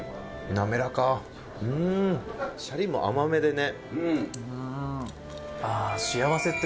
千賀：シャリも甘めでね。